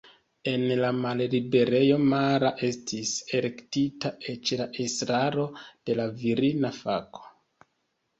En la malliberejo Mara estis elektita eĉ la estraro de la virina fako.